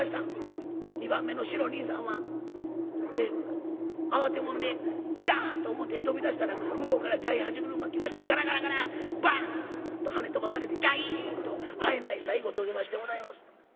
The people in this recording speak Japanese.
２番目のシロ兄さんは慌て者でダッと表へ飛び出したら向こうから大八車来ましてガラガラガラバンとはね飛ばされて『キャイン』とあえない最期を遂げましてございます。